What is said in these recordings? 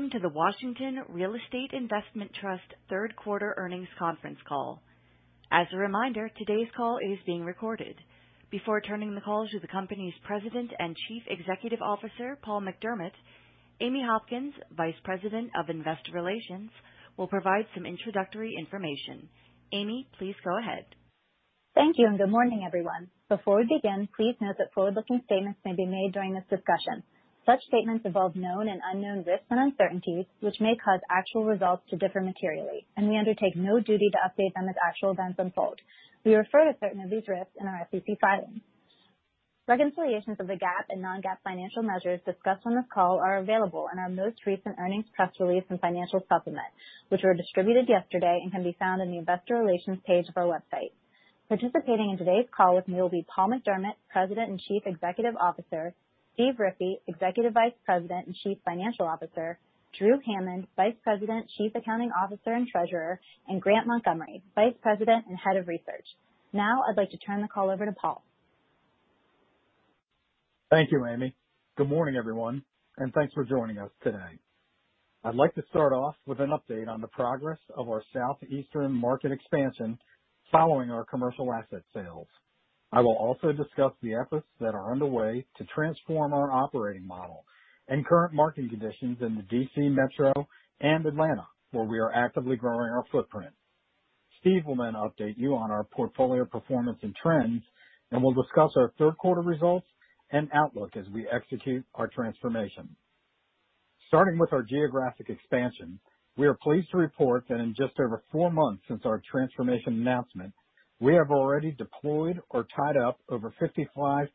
Welcome to the Washington Real Estate Investment Trust third quarter earnings conference call. As a reminder, today's call is being recorded. Before turning the call to the company's President and Chief Executive Officer, Paul McDermott, Amy Hopkins, Vice President of Investor Relations, will provide some introductory information. Amy, please go ahead. Thank you, and good morning, everyone. Before we begin, please note that forward-looking statements may be made during this discussion. Such statements involve known and unknown risks and uncertainties, which may cause actual results to differ materially, and we undertake no duty to update them as actual events unfold. We refer to certain of these risks in our SEC filings. Reconciliations of the GAAP and non-GAAP financial measures discussed on this call are available in our most recent earnings press release and financial supplement, which were distributed yesterday and can be found in the Investor Relations page of our website. Participating in today's call with me will be Paul McDermott, President and Chief Executive Officer, Steve Riffee, Executive Vice President and Chief Financial Officer, Drew Hammond, Vice President, Chief Accounting Officer and Treasurer, and Grant Montgomery, Vice President and Head of Research. Now, I'd like to turn the call over to Paul. Thank you, Amy. Good morning, everyone, and thanks for joining us today. I'd like to start off with an update on the progress of our Southeastern market expansion following our commercial asset sales. I will also discuss the efforts that are underway to transform our operating model and current market conditions in the D.C. Metro and Atlanta, where we are actively growing our footprint. Steve will then update you on our portfolio performance and trends, and we'll discuss our third quarter results and outlook as we execute our transformation. Starting with our geographic expansion, we are pleased to report that in just over four months since our transformation announcement, we have already deployed or tied up over 55%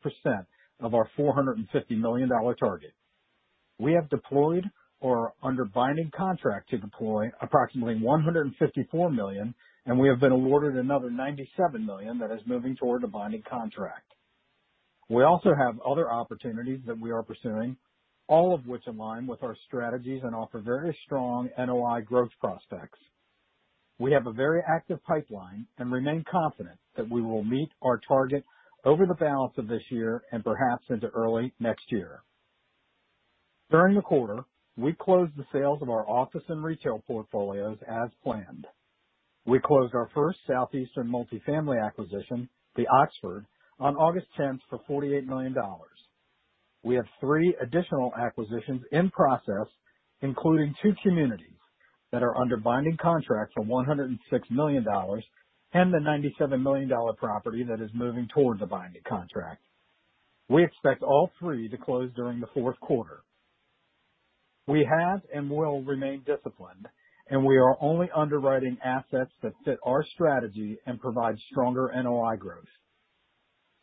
of our $450 million target. We have deployed or are under binding contract to deploy approximately $154 million, and we have been awarded another $97 million that is moving toward a binding contract. We also have other opportunities that we are pursuing, all of which align with our strategies and offer very strong NOI growth prospects. We have a very active pipeline and remain confident that we will meet our target over the balance of this year and perhaps into early next year. During the quarter, we closed the sales of our office and retail portfolios as planned. We closed our first Southeastern multifamily acquisition, The Oxford, on August 10th for $48 million. We have three additional acquisitions in process, including two communities that are under binding contract for $106 million and the $97 million property that is moving toward a binding contract. We expect all three to close during the fourth quarter. We have and will remain disciplined, and we are only underwriting assets that fit our strategy and provide stronger NOI growth.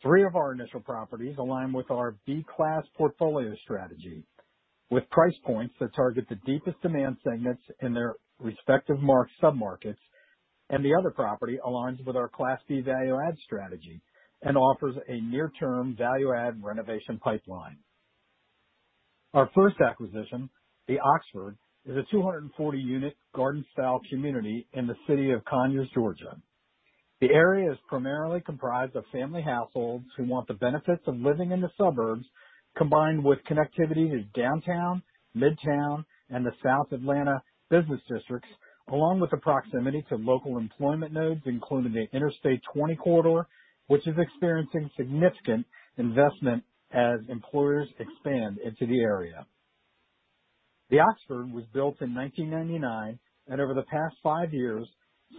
Three of our initial properties align with our Class B portfolio strategy, with price points that target the deepest demand segments in their respective submarkets, and the other property aligns with our Class B value add strategy and offers a near-term value add renovation pipeline. Our first acquisition, The Oxford, is a 240-unit garden-style community in the city of Conyers, Georgia. The area is primarily comprised of family households who want the benefits of living in the suburbs, combined with connectivity to Downtown, Midtown, and the South Atlanta business districts, along with the proximity to local employment nodes, including the Interstate 20 corridor, which is experiencing significant investment as employers expand into the area. The Oxford was built in 1999, and over the past five years,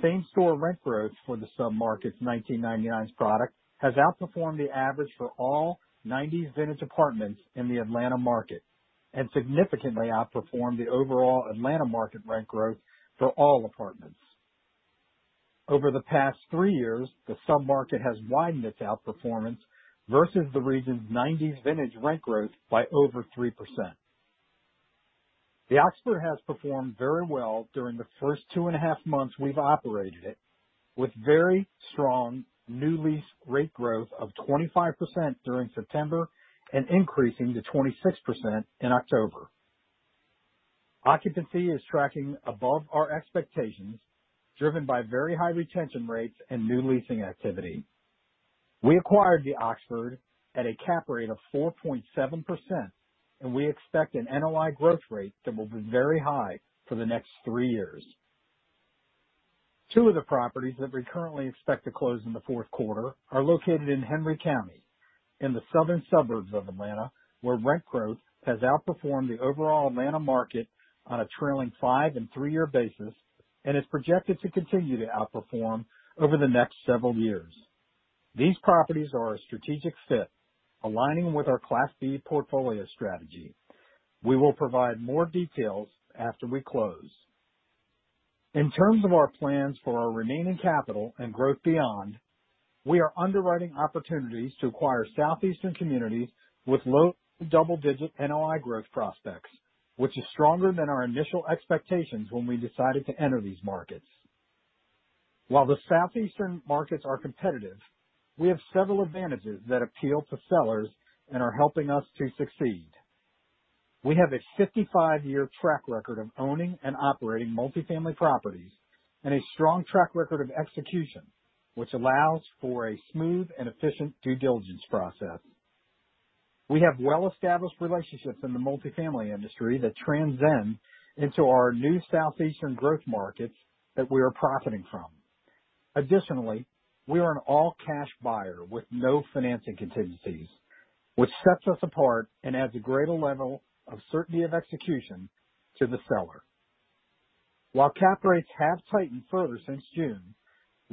same-store rent growth for the submarket's 1999 product has outperformed the average for all 1990s vintage apartments in the Atlanta market and significantly outperformed the overall Atlanta market rent growth for all apartments. Over the past three years, the submarket has widened its outperformance versus the region's 1990s vintage rent growth by over 3%. The Oxford has performed very well during the first 2.5 months we've operated it, with very strong new lease rate growth of 25% during September and increasing to 26% in October. Occupancy is tracking above our expectations, driven by very high retention rates and new leasing activity. We acquired The Oxford at a cap rate of 4.7%, and we expect an NOI growth rate that will be very high for the next three years. Two of the properties that we currently expect to close in the fourth quarter are located in Henry County, in the southern suburbs of Atlanta, where rent growth has outperformed the overall Atlanta market on a trailing five- and three-year basis and is projected to continue to outperform over the next several years. These properties are a strategic fit, aligning with our Class B portfolio strategy. We will provide more details after we close. In terms of our plans for our remaining capital and growth beyond, we are underwriting opportunities to acquire Southeastern communities with low double-digit NOI growth prospects, which is stronger than our initial expectations when we decided to enter these markets. While the Southeastern markets are competitive, we have several advantages that appeal to sellers and are helping us to succeed. We have a 55-year track record of owning and operating multifamily properties and a strong track record of execution, which allows for a smooth and efficient due diligence process. We have well-established relationships in the multifamily industry that transcend into our new Southeastern growth markets that we are profiting from. Additionally, we are an all-cash buyer with no financing contingencies, which sets us apart and adds a greater level of certainty of execution to the seller. While cap rates have tightened further since June,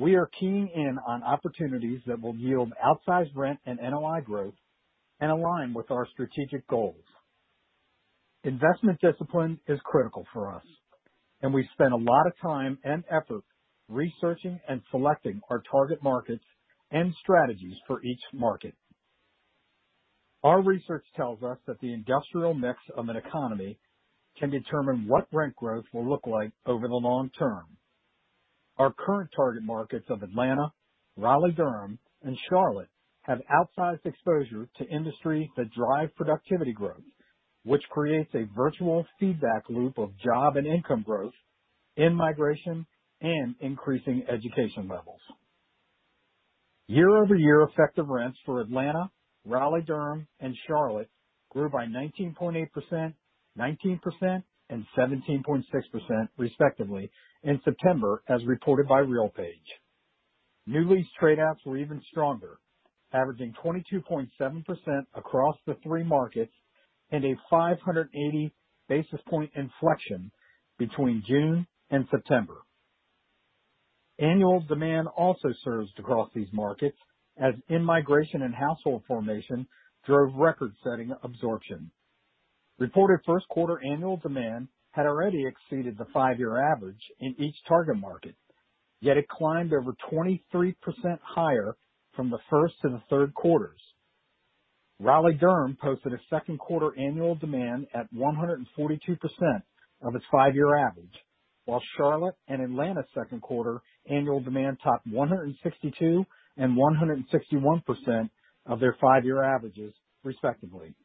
we are keying in on opportunities that will yield outsized rent and NOI growth and align with our strategic goals. Investment discipline is critical for us, and we spend a lot of time and effort researching and selecting our target markets and strategies for each market. Our research tells us that the industrial mix of an economy can determine what rent growth will look like over the long term. Our current target markets of Atlanta, Raleigh-Durham, and Charlotte have outsized exposure to industries that drive productivity growth, which creates a virtual feedback loop of job and income growth, in-migration, and increasing education levels. Year-over-year effective rents for Atlanta, Raleigh-Durham, and Charlotte grew by 19.8%, 19%, and 17.6% respectively in September as reported by RealPage. New lease trade outs were even stronger, averaging 22.7% across the three markets and a 580 basis point inflection between June and September. Annual demand also surged across these markets as in-migration and household formation drove record-setting absorption. Reported first quarter annual demand had already exceeded the five-year average in each target market, yet it climbed over 23% higher from the first to the third quarters. Raleigh-Durham posted a second quarter annual demand at 142% of its five-year average, while Charlotte and Atlanta second quarter annual demand topped 162% and 161% of their five-year averages respectively.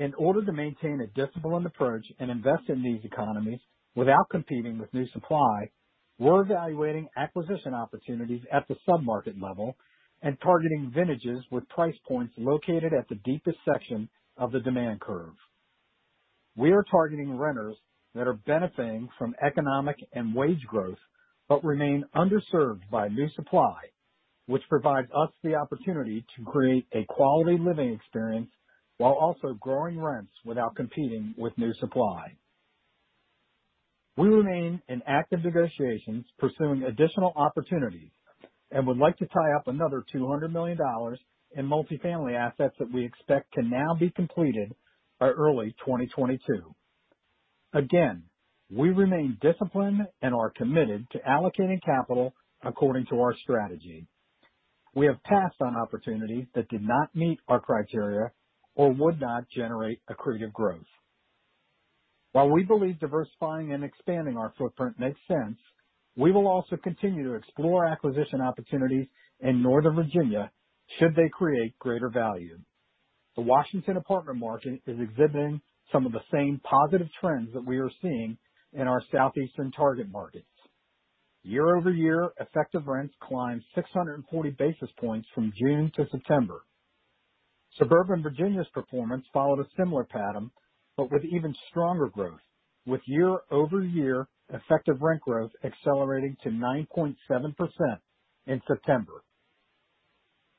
In order to maintain a disciplined approach and invest in these economies without competing with new supply, we're evaluating acquisition opportunities at the sub-market level and targeting vintages with price points located at the deepest section of the demand curve. We are targeting renters that are benefiting from economic and wage growth but remain underserved by new supply, which provides us the opportunity to create a quality living experience while also growing rents without competing with new supply. We remain in active negotiations pursuing additional opportunities, and would like to tie up another $200 million in multifamily assets that we expect to now be completed by early 2022. Again, we remain disciplined and are committed to allocating capital according to our strategy. We have passed on opportunities that did not meet our criteria or would not generate accretive growth. While we believe diversifying and expanding our footprint makes sense, we will also continue to explore acquisition opportunities in Northern Virginia should they create greater value. The Washington apartment market is exhibiting some of the same positive trends that we are seeing in our southeastern target markets. Year-over-year effective rents climbed 640 basis points from June to September. Suburban Virginia's performance followed a similar pattern, but with even stronger growth, with year-over-year effective rent growth accelerating to 9.7% in September.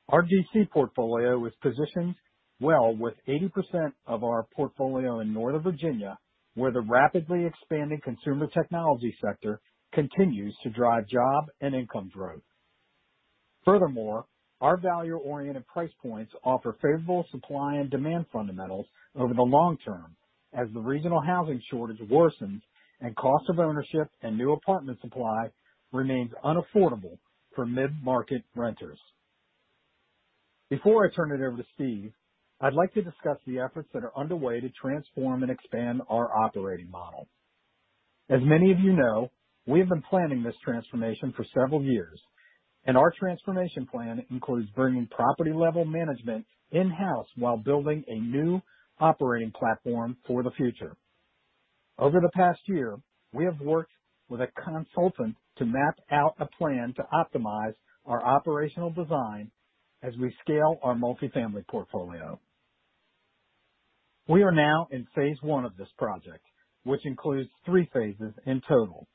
Our D.C. portfolio is positioned well with 80% of our portfolio in Northern Virginia, where the rapidly expanding consumer technology sector continues to drive job and income growth. Furthermore, our value-oriented price points offer favorable supply and demand fundamentals over the long term as the regional housing shortage worsens and cost of ownership and new apartment supply remains unaffordable for mid-market renters. Before I turn it over to Steve, I'd like to discuss the efforts that are underway to transform and expand our operating model. As many of you know, we have been planning this transformation for several years, and our transformation plan includes bringing property-level management in-house while building a new operating platform for the future. Over the past year, we have worked with a consultant to map out a plan to optimize our operational design as we scale our multifamily portfolio. We are now in phase one of this project, which includes three phases in total.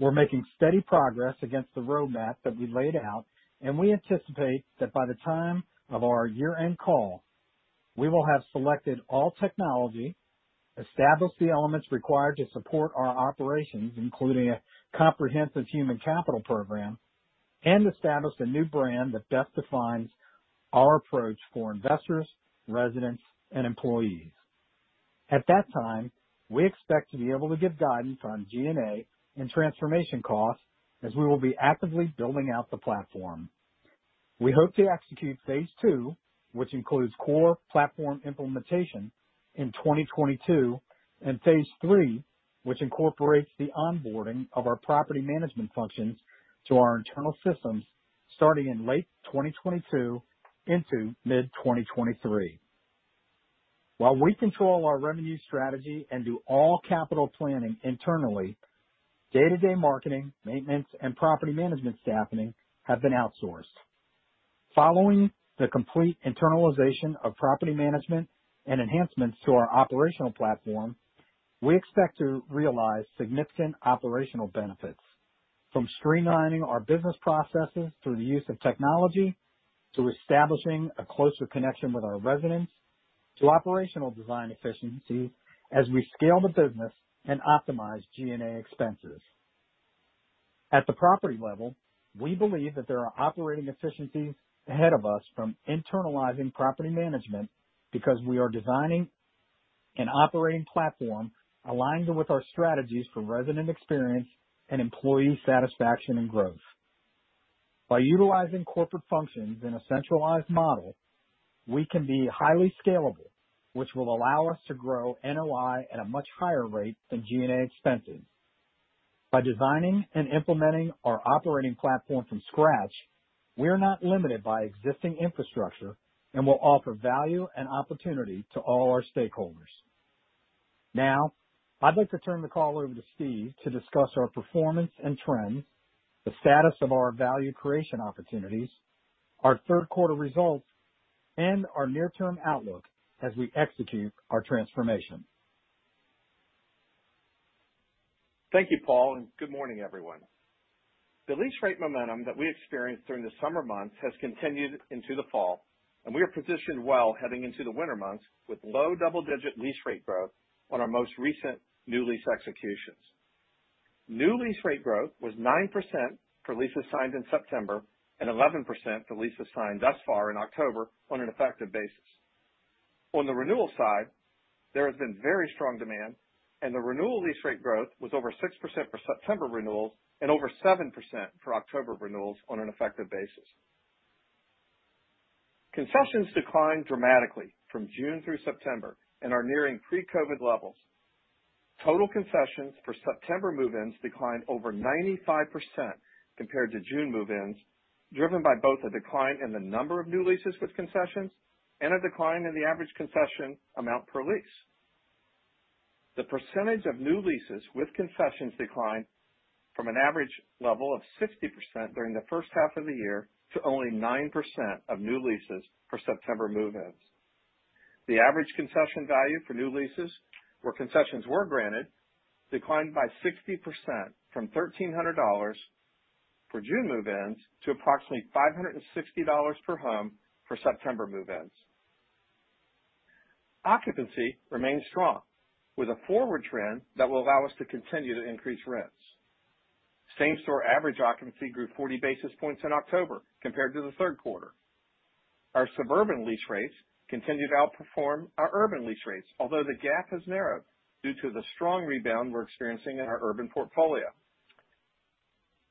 We're making steady progress against the roadmap that we laid out, and we anticipate that by the time of our year-end call, we will have selected all technology, established the elements required to support our operations, including a comprehensive human capital program, and established a new brand that best defines our approach for investors, residents, and employees. At that time, we expect to be able to give guidance on G&A and transformation costs as we will be actively building out the platform. We hope to execute phase two, which includes core platform implementation in 2022, and phase three, which incorporates the onboarding of our property management functions to our internal systems starting in late 2022 into mid 2023. While we control our revenue strategy and do all capital planning internally, day-to-day marketing, maintenance, and property management staffing have been outsourced. Following the complete internalization of property management and enhancements to our operational platform, we expect to realize significant operational benefits, from streamlining our business processes through the use of technology, to establishing a closer connection with our residents, to operational design efficiency as we scale the business and optimize G&A expenses. At the property level, we believe that there are operating efficiencies ahead of us from internalizing property management because we are designing an operating platform aligned with our strategies for resident experience and employee satisfaction and growth. By utilizing corporate functions in a centralized model, we can be highly scalable, which will allow us to grow NOI at a much higher rate than G&A expenses. By designing and implementing our operating platform from scratch, we're not limited by existing infrastructure and will offer value and opportunity to all our stakeholders. Now, I'd like to turn the call over to Steve to discuss our performance and trends, the status of our value creation opportunities, our third quarter results, and our near-term outlook as we execute our transformation. Thank you, Paul, and good morning, everyone. The lease rate momentum that we experienced during the summer months has continued into the fall, and we are positioned well heading into the winter months with low double-digit lease rate growth on our most recent new lease executions. New lease rate growth was 9% for leases signed in September and 11% for leases signed thus far in October on an effective basis. On the renewal side, there has been very strong demand and the renewal lease rate growth was over 6% for September renewals and over 7% for October renewals on an effective basis. Concessions declined dramatically from June through September and are nearing pre-COVID levels. Total concessions for September move-ins declined over 95% compared to June move-ins, driven by both a decline in the number of new leases with concessions and a decline in the average concession amount per lease. The percentage of new leases with concessions declined from an average level of 60% during the first half of the year to only 9% of new leases for September move-ins. The average concession value for new leases, where concessions were granted, declined by 60% from $1,300 for June move-ins to approximately $560 per home for September move-ins. Occupancy remains strong, with a forward trend that will allow us to continue to increase rents. same-store average occupancy grew 40 basis points in October compared to the third quarter. Our suburban lease rates continue to outperform our urban lease rates, although the gap has narrowed due to the strong rebound we're experiencing in our urban portfolio.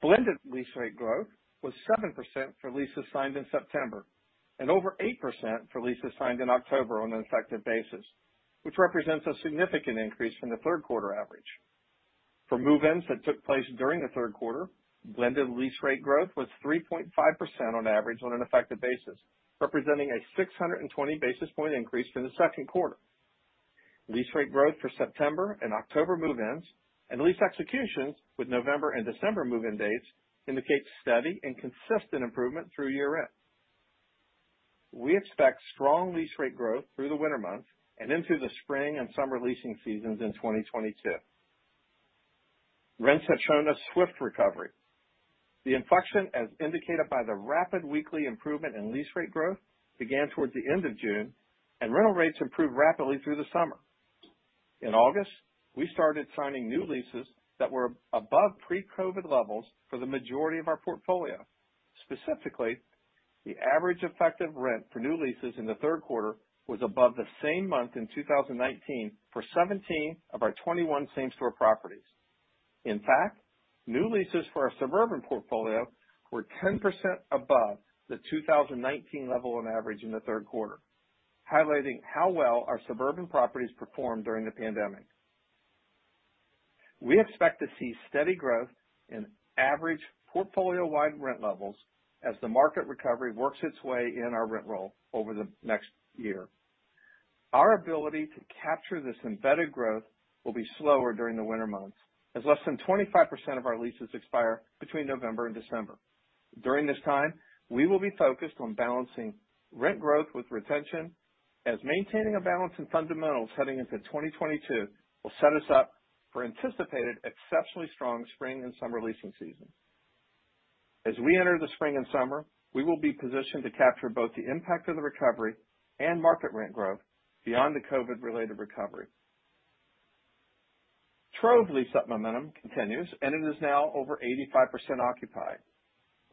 Blended lease rate growth was 7% for leases signed in September and over 8% for leases signed in October on an effective basis, which represents a significant increase from the third quarter average. For move-ins that took place during the third quarter, blended lease rate growth was 3.5% on average on an effective basis, representing a 620 basis point increase from the second quarter. Lease rate growth for September and October move-ins and lease executions with November and December move-in dates indicates steady and consistent improvement through year-end. We expect strong lease rate growth through the winter months and into the spring and summer leasing seasons in 2022. Rents have shown a swift recovery. The inflection, as indicated by the rapid weekly improvement in lease rate growth, began towards the end of June, and rental rates improved rapidly through the summer. In August, we started signing new leases that were above pre-COVID levels for the majority of our portfolio. Specifically, the average effective rent for new leases in the third quarter was above the same month in 2019 for 17 of our 21 same-store properties. In fact, new leases for our suburban portfolio were 10% above the 2019 level on average in the third quarter, highlighting how well our suburban properties performed during the pandemic. We expect to see steady growth in average portfolio-wide rent levels as the market recovery works its way in our rent roll over the next year. Our ability to capture this embedded growth will be slower during the winter months, as less than 25% of our leases expire between November and December. During this time, we will be focused on balancing rent growth with retention, as maintaining a balance in fundamentals heading into 2022 will set us up for anticipated exceptionally strong spring and summer leasing season. As we enter the spring and summer, we will be positioned to capture both the impact of the recovery and market rent growth beyond the COVID-related recovery. Trove lease-up momentum continues, and it is now over 85% occupied.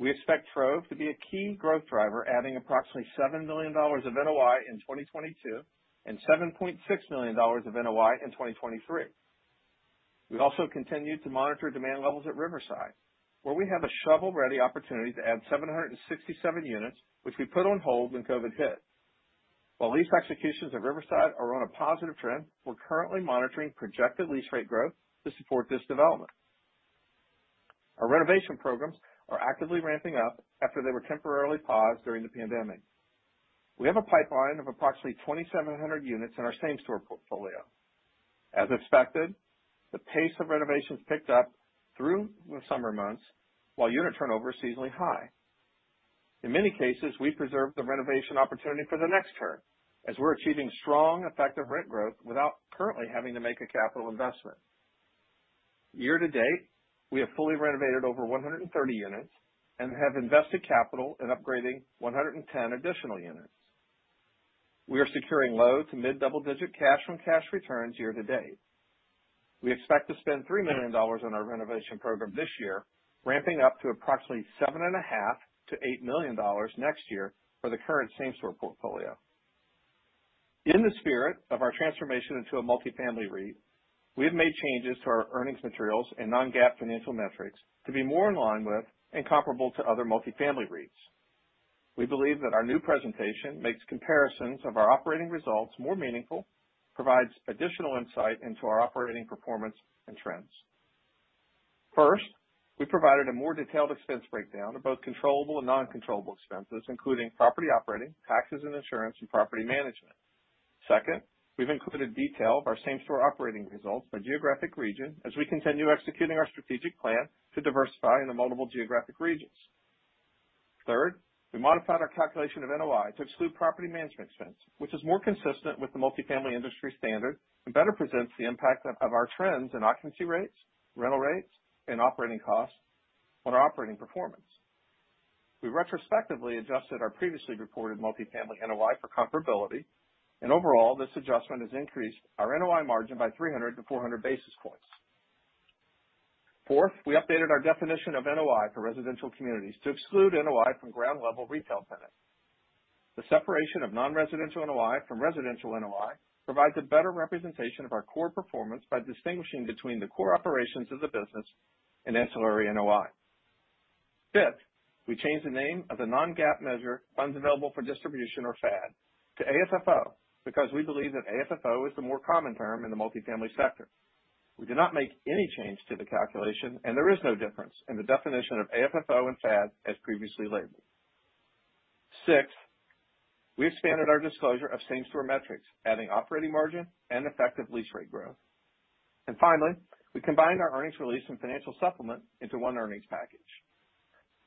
We expect Trove to be a key growth driver, adding approximately $7 million of NOI in 2022 and $7.6 million of NOI in 2023. We also continued to monitor demand levels at Riverside, where we have a shovel-ready opportunity to add 767 units, which we put on hold when COVID hit. While lease executions at Riverside are on a positive trend, we're currently monitoring projected lease rate growth to support this development. Our renovation programs are actively ramping up after they were temporarily paused during the pandemic. We have a pipeline of approximately 2,700 units in our same-store portfolio. As expected, the pace of renovations picked up through the summer months, while unit turnover is seasonally high. In many cases, we preserve the renovation opportunity for the next term, as we're achieving strong effective rent growth without currently having to make a capital investment. Year-to-date, we have fully renovated over 130 units and have invested capital in upgrading 110 additional units. We are securing low- to mid-double-digit cash-on-cash returns year-to-date. We expect to spend $3 million on our renovation program this year, ramping up to approximately $7.5 million-$8 million next year for the current same-store portfolio. In the spirit of our transformation into a multifamily REIT, we have made changes to our earnings materials and non-GAAP financial metrics to be more in line with and comparable to other multifamily REITs. We believe that our new presentation makes comparisons of our operating results more meaningful, provides additional insight into our operating performance and trends. First, we provided a more detailed expense breakdown of both controllable and non-controllable expenses, including property operating, taxes and insurance, and property management. Second, we've included detail of our same-store operating results by geographic region as we continue executing our strategic plan to diversify into multiple geographic regions. Third, we modified our calculation of NOI to exclude property management expense, which is more consistent with the multifamily industry standard and better presents the impact of our trends in occupancy rates, rental rates, and operating costs on our operating performance. We retrospectively adjusted our previously reported multifamily NOI for comparability, and overall, this adjustment has increased our NOI margin by 300-400 basis points. Fourth, we updated our definition of NOI for residential communities to exclude NOI from ground level retail tenants. The separation of non-residential NOI from residential NOI provides a better representation of our core performance by distinguishing between the core operations of the business and ancillary NOI. Fifth, we changed the name of the non-GAAP measure, funds available for distribution, or FAD, to AFFO because we believe that AFFO is the more common term in the multifamily sector. We did not make any change to the calculation, and there is no difference in the definition of AFFO and FAD as previously labeled. Sixth, we expanded our disclosure of same-store metrics, adding operating margin and effective lease rate growth. Finally, we combined our earnings release and financial supplement into one earnings package.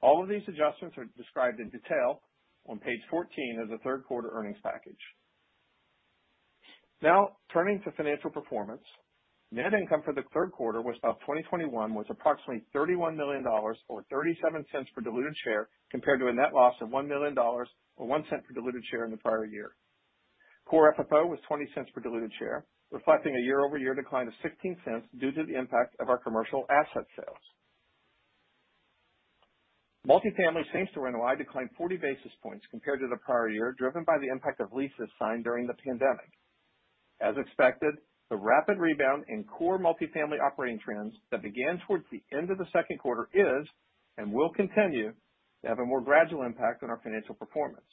All of these adjustments are described in detail on page 14 of the third quarter earnings package. Now, turning to financial performance. Net income for the third quarter 2021 was approximately $31 million or $0.37 per diluted share compared to a net loss of $1 million or $0.01 per diluted share in the prior year. Core FFO was $0.20 per diluted share, reflecting a year-over-year decline of $0.16 due to the impact of our commercial asset sales. Multifamily same-store NOI declined 40 basis points compared to the prior year, driven by the impact of leases signed during the pandemic. As expected, the rapid rebound in core multifamily operating trends that began towards the end of the second quarter is, and will continue, to have a more gradual impact on our financial performance.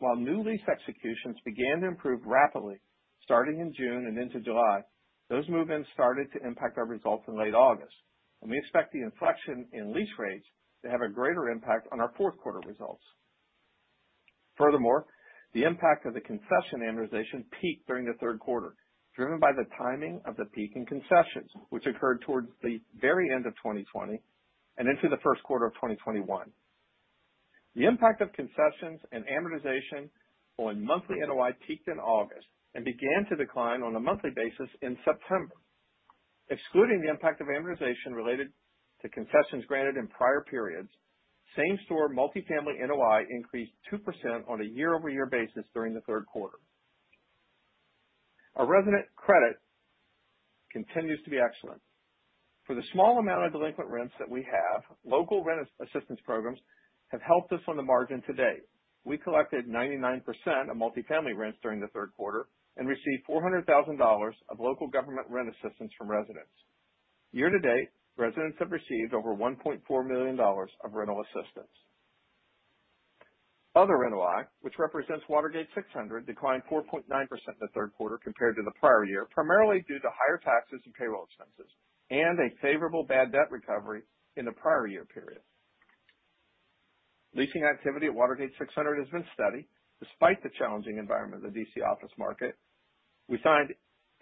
While new lease executions began to improve rapidly starting in June and into July, those move-ins started to impact our results in late August, and we expect the inflection in lease rates to have a greater impact on our fourth quarter results. Furthermore, the impact of the concession amortization peaked during the third quarter, driven by the timing of the peak in concessions, which occurred towards the very end of 2020 and into the first quarter of 2021. The impact of concessions and amortization on monthly NOI peaked in August and began to decline on a monthly basis in September. Excluding the impact of amortization related to concessions granted in prior periods, same-store multifamily NOI increased 2% on a year-over-year basis during the third quarter. Our resident credit continues to be excellent. For the small amount of delinquent rents that we have, local rent assistance programs have helped us on the margin to date. We collected 99% of multifamily rents during the third quarter and received $400,000 of local government rent assistance from residents. Year-to-date, residents have received over $1.4 million of rental assistance. Other NOI, which represents Watergate 600, declined 4.9% in the third quarter compared to the prior year, primarily due to higher taxes and payroll expenses and a favorable bad debt recovery in the prior year period. Leasing activity at Watergate 600 has been steady despite the challenging environment of the D.C. office market. We signed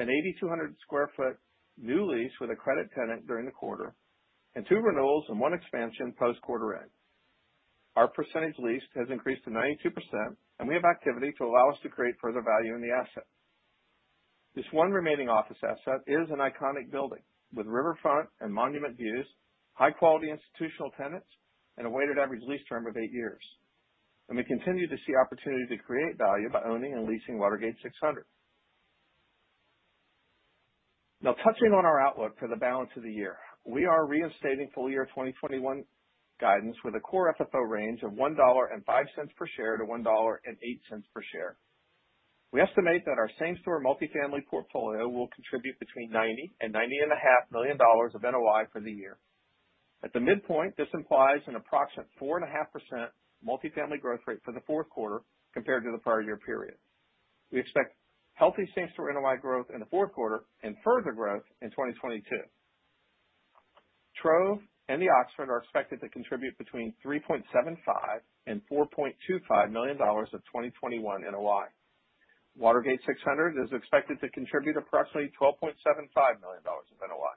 an 8,200 sq ft new lease with a credit tenant during the quarter and two renewals and one expansion post quarter end. Our percentage leased has increased to 92%, and we have activity to allow us to create further value in the asset. This one remaining office asset is an iconic building with riverfront and monument views, high quality institutional tenants, and a weighted average lease term of eight years. We continue to see opportunity to create value by owning and leasing Watergate 600. Now touching on our outlook for the balance of the year. We are reinstating full year 2021 guidance with a core FFO range of $1.05 per share to $1.08 per share. We estimate that our same-store multifamily portfolio will contribute between $90 million and $90.5 million of NOI for the year. At the midpoint, this implies an approximate 4.5% multifamily growth rate for the fourth quarter compared to the prior year period. We expect healthy same-store NOI growth in the fourth quarter and further growth in 2022. Trove and The Oxford are expected to contribute between $3.75 million and $4.25 million of 2021 NOI. Watergate 600 is expected to contribute approximately $12.75 million of NOI.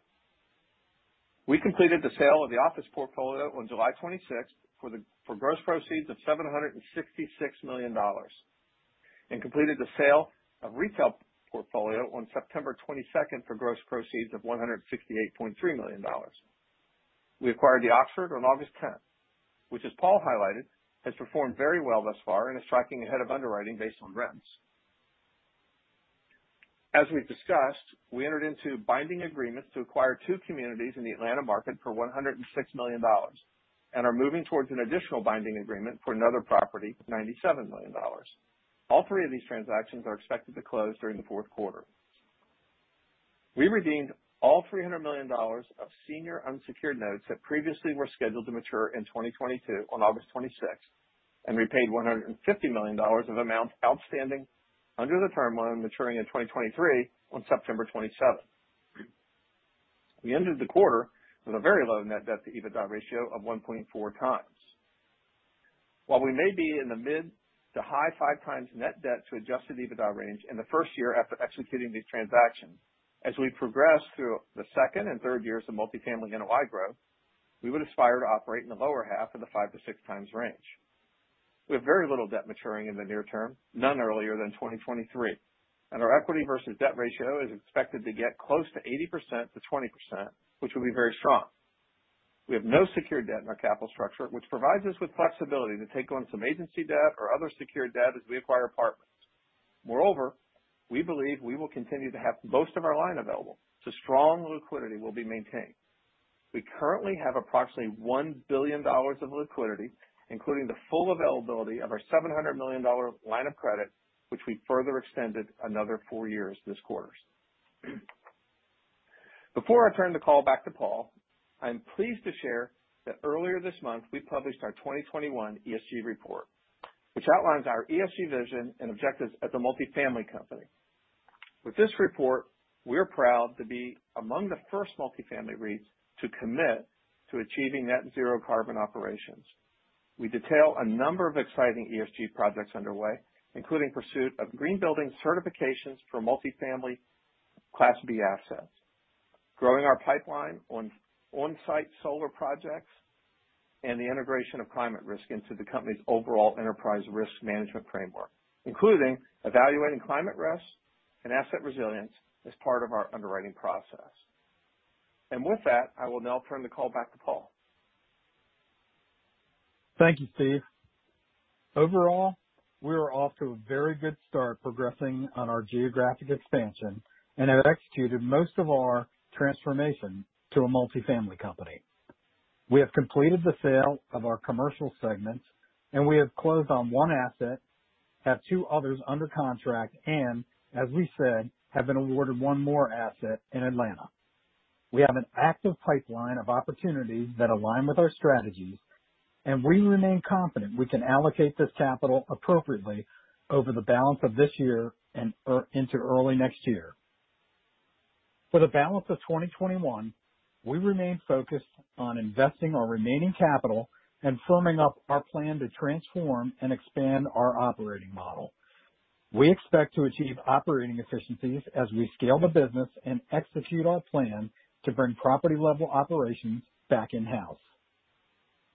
We completed the sale of the office portfolio on July 26th for gross proceeds of $766 million, and completed the sale of retail portfolio on September 22nd for gross proceeds of $168.3 million. We acquired The Oxford on August 10th, which, as Paul highlighted, has performed very well thus far and is tracking ahead of underwriting based on rents. As we've discussed, we entered into binding agreements to acquire two communities in the Atlanta market for $106 million, and are moving towards an additional binding agreement for another property, $97 million. All three of these transactions are expected to close during the fourth quarter. We redeemed all $300 million of senior unsecured notes that previously were scheduled to mature in 2022 on August 26th, and repaid $150 million of amounts outstanding under the term loan maturing in 2023 on September 27th. We ended the quarter with a very low net debt to EBITDA ratio of 1.4x. While we may be in the mid- to high-5x net debt to adjusted EBITDA range in the first year after executing these transactions, as we progress through the second and third years of multifamily NOI growth, we would aspire to operate in the lower half of the 5x-6x range. We have very little debt maturing in the near term, none earlier than 2023, and our equity versus debt ratio is expected to get close to 80%-20%, which will be very strong. We have no secured debt in our capital structure, which provides us with flexibility to take on some agency debt or other secured debt as we acquire apartments. Moreover, we believe we will continue to have most of our line available, so strong liquidity will be maintained. We currently have approximately $1 billion of liquidity, including the full availability of our $700 million line of credit, which we further extended another four years this quarter. Before I turn the call back to Paul, I'm pleased to share that earlier this month, we published our 2021 ESG report, which outlines our ESG vision and objectives as a multifamily company. With this report, we're proud to be among the first multifamily REITs to commit to achieving net zero carbon operations. We detail a number of exciting ESG projects underway, including pursuit of green building certifications for multifamily Class B assets, growing our pipeline on on-site solar projects, and the integration of climate risk into the company's overall enterprise risk management framework, including evaluating climate risks and asset resilience as part of our underwriting process. With that, I will now turn the call back to Paul. Thank you, Steve. Overall, we are off to a very good start progressing on our geographic expansion and have executed most of our transformation to a multifamily company. We have completed the sale of our commercial segments, and we have closed on one asset, have two others under contract, and as we said, have been awarded one more asset in Atlanta. We have an active pipeline of opportunities that align with our strategies, and we remain confident we can allocate this capital appropriately over the balance of this year and into early next year. For the balance of 2021, we remain focused on investing our remaining capital and firming up our plan to transform and expand our operating model. We expect to achieve operating efficiencies as we scale the business and execute our plan to bring property-level operations back in-house.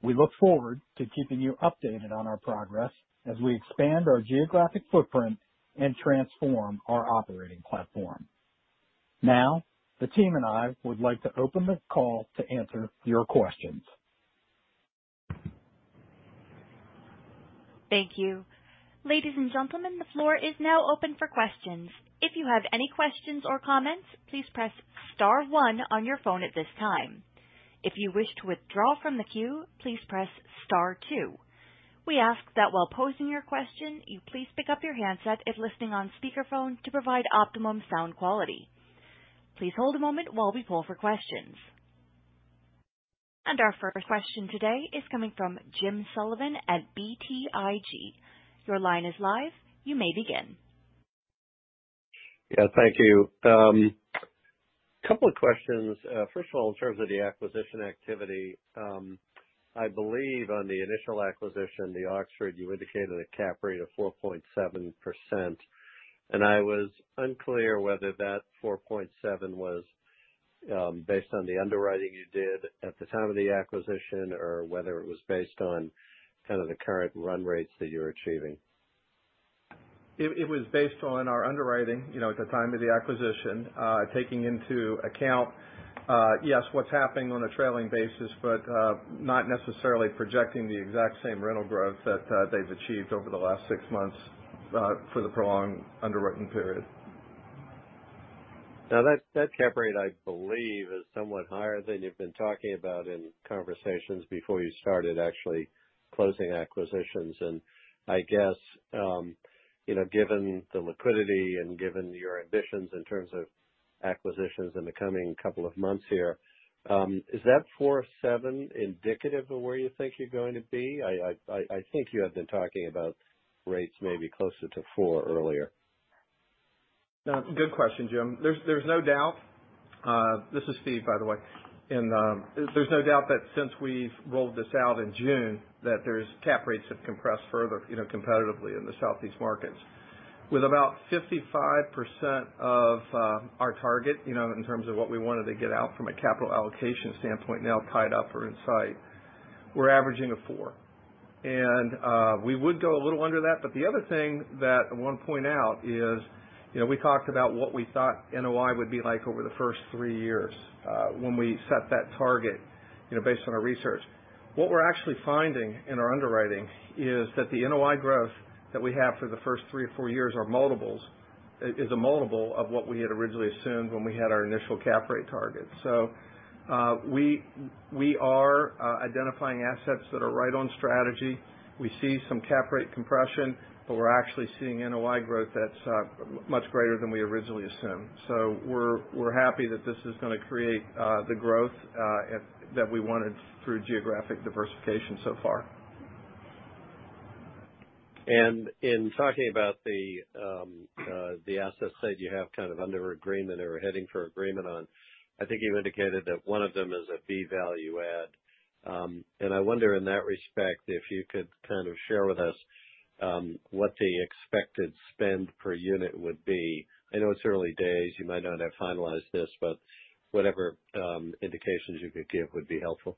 We look forward to keeping you updated on our progress as we expand our geographic footprint and transform our operating platform. Now, the team and I would like to open the call to answer your questions. Thank you. Ladies and gentlemen, the floor is now open for questions. If you have any questions or comments, please press star one on your phone at this time. If you wish to withdraw from the queue, please press star two. We ask that while posing your question, you please pick up your handset if listening on speakerphone to provide optimum sound quality. Please hold a moment while we poll for questions. Our first question today is coming from Jim Sullivan at BTIG. Your line is live. You may begin. Yeah. Thank you. Couple of questions. First of all, in terms of the acquisition activity, I believe on the initial acquisition, The Oxford, you indicated a cap rate of 4.7%, and I was unclear whether that 4.7% was based on the underwriting you did at the time of the acquisition or whether it was based on kind of the current run rates that you're achieving. It was based on our underwriting, you know, at the time of the acquisition, taking into account, yes, what's happening on a trailing basis, but not necessarily projecting the exact same rental growth that they've achieved over the last six months for the prolonged underwritten period. Now that cap rate I believe is somewhat higher than you've been talking about in conversations before you started actually closing acquisitions. I guess, given the liquidity and given your ambitions in terms of acquisitions in the coming couple of months here. Is that 4.7% indicative of where you think you're going to be? I think you have been talking about rates maybe closer to 4% earlier. No, it's a good question, Jim. There's no doubt, this is Steve, by the way. There's no doubt that since we've rolled this out in June, that cap rates have compressed further, you know, competitively in the Southeast markets. With about 55% of our target, you know, in terms of what we wanted to get out from a capital allocation standpoint now tied up or in sight, we're averaging a 4%. We would go a little under that, but the other thing that I wanna point out is, you know, we talked about what we thought NOI would be like over the first three years, when we set that target, you know, based on our research. What we're actually finding in our underwriting is that the NOI growth that we have for the first three or four years are multiples. It is a multiple of what we had originally assumed when we had our initial cap rate target. We are identifying assets that are right on strategy. We see some cap rate compression, but we're actually seeing NOI growth that's much greater than we originally assumed. We're happy that this is gonna create the growth that we wanted through geographic diversification so far. In talking about the asset side you have kind of under agreement or heading for agreement on, I think you indicated that one of them is a fee value add. I wonder in that respect, if you could kind of share with us what the expected spend per unit would be. I know it's early days, you might not have finalized this, but whatever indications you could give would be helpful.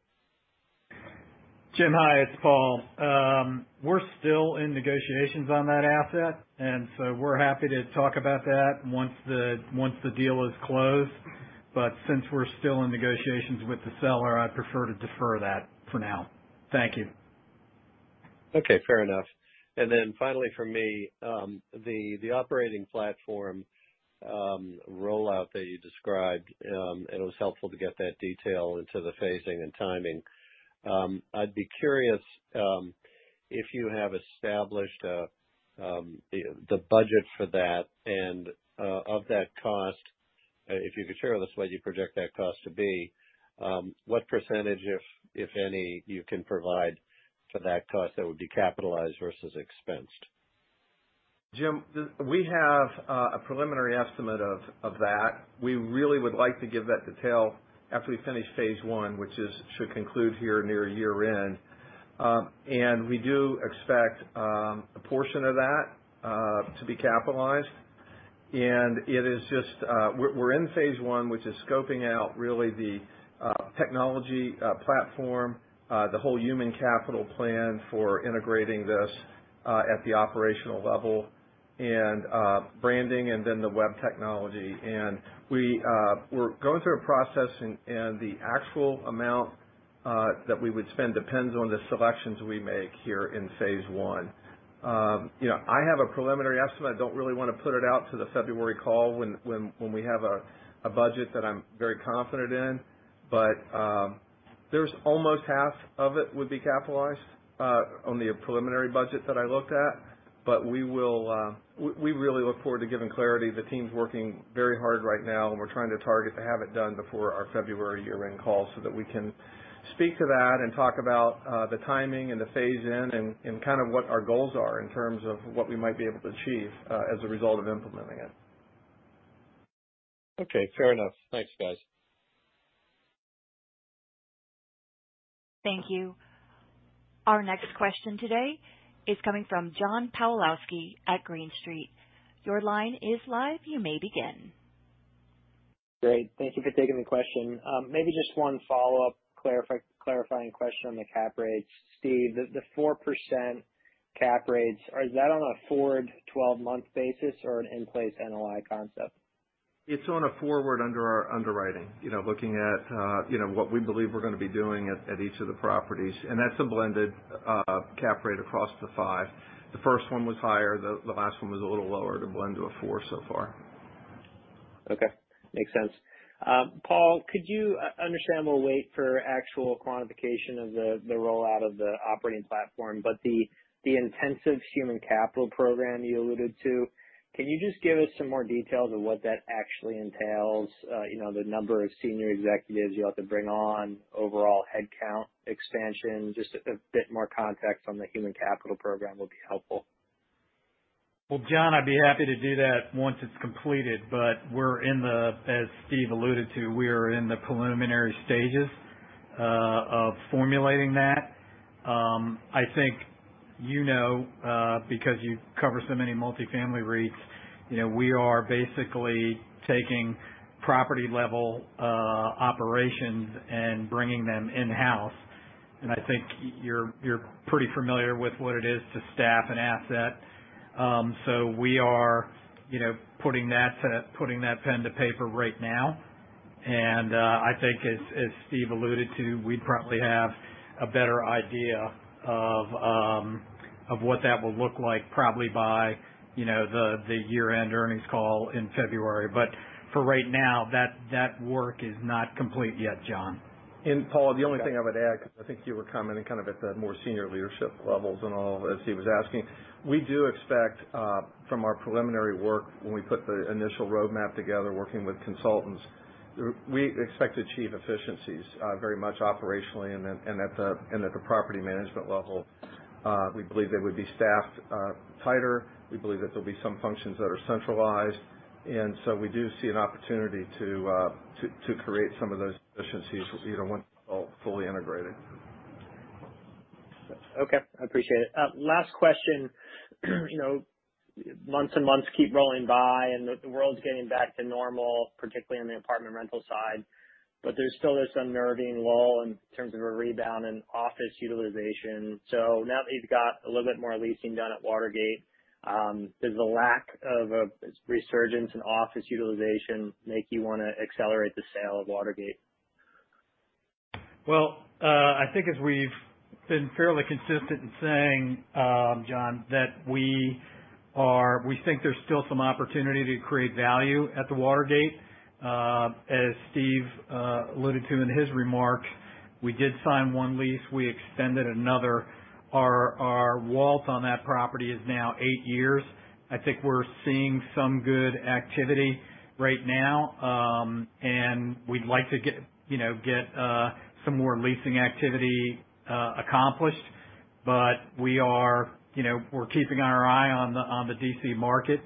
Jim, hi, it's Paul. We're still in negotiations on that asset, and so we're happy to talk about that once the deal is closed. Since we're still in negotiations with the seller, I'd prefer to defer that for now. Thank you. Okay, fair enough. Finally from me, the operating platform rollout that you described, it was helpful to get that detail into the phasing and timing. I'd be curious if you have established the budget for that, and of that cost, if you could share with us what you project that cost to be, what percentage, if any, you can provide for that cost that would be capitalized versus expensed? Jim, we have a preliminary estimate of that. We really would like to give that detail after we finish phase one, which should conclude here near year end. We do expect a portion of that to be capitalized. It is just we're in phase one, which is scoping out really the technology platform, the whole human capital plan for integrating this at the operational level and branding and then the web technology. We're going through a process and the actual amount that we would spend depends on the selections we make here in phase one. You know, I have a preliminary estimate. I don't really wanna put it out to the February call when we have a budget that I'm very confident in. There's almost half of it would be capitalized on the preliminary budget that I looked at. We really look forward to giving clarity. The team's working very hard right now, and we're trying to target to have it done before our February year-end call so that we can speak to that and talk about the timing and the phase-in and kind of what our goals are in terms of what we might be able to achieve as a result of implementing it. Okay, fair enough. Thanks, guys. Thank you. Our next question today is coming from John Pawlowski at Green Street. Your line is live, you may begin. Great. Thank you for taking the question. Maybe just one follow-up clarifying question on the cap rates. Steve, the 4% cap rates, is that on a forward 12-month basis or an in-place NOI concept? It's on a forward under our underwriting. You know, looking at, you know, what we believe we're gonna be doing at each of the properties, and that's a blended cap rate across the five. The first one was higher. The last one was a little lower to blend to a 4% so far. Okay. Makes sense. Paul, I understand we'll wait for actual quantification of the rollout of the operating platform, but the intensive human capital program you alluded to, can you just give us some more details on what that actually entails? You know, the number of senior executives you'll have to bring on, overall headcount expansion, just a bit more context on the human capital program would be helpful. Well, John, I'd be happy to do that once it's completed, but we're in the as Steve alluded to, we are in the preliminary stages of formulating that. I think you know, because you cover so many multifamily REITs, you know, we are basically taking property-level operations and bringing them in-house. I think you're pretty familiar with what it is to staff an asset. We are, you know, putting that pen to paper right now. I think as Steve alluded to, we probably have a better idea of what that will look like probably by, you know, the year-end earnings call in February. For right now, that work is not complete yet, John. Paul, the only thing I would add, because I think you were commenting kind of at the more senior leadership levels and all as he was asking, we do expect from our preliminary work when we put the initial roadmap together working with consultants, we expect to achieve efficiencies very much operationally and then and at the property management level, we believe they would be staffed tighter. We believe that there'll be some functions that are centralized. We do see an opportunity to create some of those efficiencies, you know, when we're all fully integrated. Okay. I appreciate it. Last question. You know, months and months keep rolling by, and the world's getting back to normal, particularly on the apartment rental side. But there's still this unnerving lull in terms of a rebound in office utilization. So now that you've got a little bit more leasing done at Watergate, does the lack of a resurgence in office utilization make you wanna accelerate the sale of Watergate? Well, I think as we've been fairly consistent in saying, John, that we think there's still some opportunity to create value at the Watergate. As Steve alluded to in his remarks, we did sign one lease. We extended another. Our WALT on that property is now eight years. I think we're seeing some good activity right now. We'd like to get, you know, some more leasing activity accomplished. We are, you know, we're keeping our eye on the D.C. market.